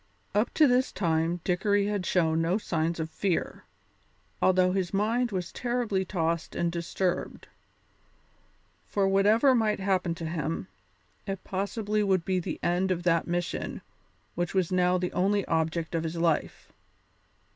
Up to this time Dickory had shown no signs of fear, although his mind was terribly tossed and disturbed; for, whatever might happen to him, it possibly would be the end of that mission which was now the only object of his life.